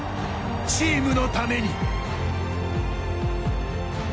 チームのために。